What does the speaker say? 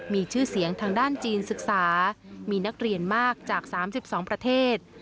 มีชื่อเสียงทางด้านจีนศึกษามีนักเรียนมากจาก๓๒ประเทศ